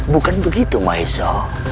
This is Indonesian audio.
bukan begitu maiso